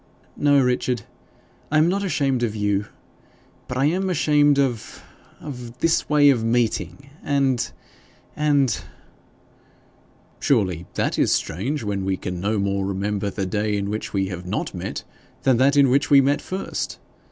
'No, Richard; I am not ashamed of you, but I am ashamed of of this way of meeting and and ' 'Surely that is strange, when we can no more remember the day in which we have not met than that in which we met first!